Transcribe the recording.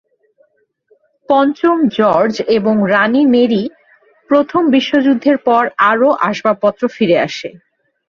পঞ্চম জর্জ এবং রানী মেরি প্রথম বিশ্বযুদ্ধের পর আরও আসবাবপত্র ফিরে আসে।